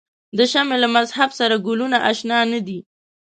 د شمعې له مذهب سره ګلونه آشنا نه دي.